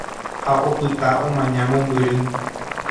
Ha opyta omaña mombyry.